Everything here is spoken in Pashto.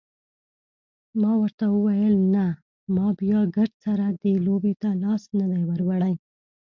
ما ورته وویل نه ما بیا ګردسره دې لوبې ته لاس نه دی وروړی.